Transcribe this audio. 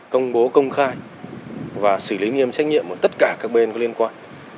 công bố công khai và xử lý nghiêm trách nhiệm của tất cả các bên có liên quan